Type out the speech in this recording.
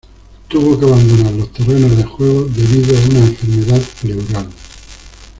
Tuvo que abandonar los terrenos de juego debido a una enfermedad pleural.